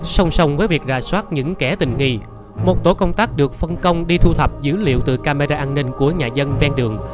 song song với việc rà soát những kẻ tình nghi một tổ công tác được phân công đi thu thập dữ liệu từ camera an ninh của nhà dân ven đường